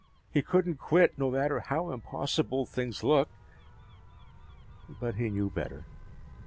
He couldn't quit, no matter how impossible things looked. But he knew better.